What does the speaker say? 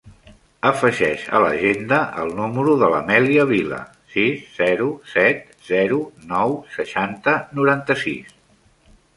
Afegeix a l'agenda el número de l'Amèlia Vila: sis, zero, set, zero, nou, seixanta, noranta-sis.